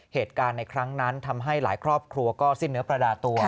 เหตุการณ์ในครั้งนั้นทำให้หลายครอบครัวก็สิ้นเนื้อประดาตัว